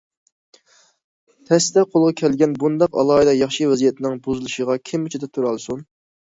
تەستە قولغا كەلگەن بۇنداق ئالاھىدە ياخشى ۋەزىيەتنىڭ بۇزۇلۇشىغا كىممۇ چىداپ تۇرالىسۇن!